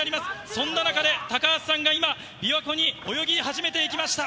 そんな中で高橋さんが今、びわ湖に泳ぎ始めていきました。